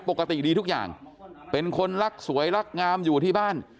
ปกติดีทุกอย่างเป็นคนรักสวยรักงามอยู่ที่บ้าน